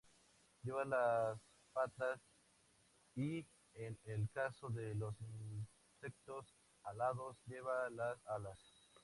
Lleva las patas y, en el caso de los insectos alados, lleva las alas.